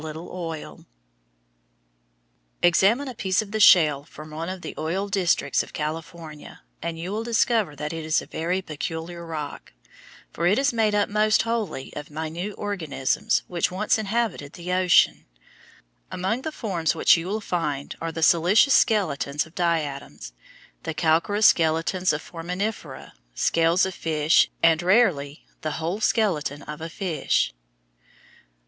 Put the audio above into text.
OIL WELLS IN THE CITY OF LOS ANGELES, CALIFORNIA Pool of oil in foreground] Examine a piece of the shale from one of the oil districts of California, and you will discover that it is a very peculiar rock, for it is made up almost wholly of minute organisms which once inhabited the ocean. Among the forms which you will find are the silicious skeletons of diatoms, the calcareous skeletons of foraminifera, scales of fish, and, rarely, the whole skeleton of a fish.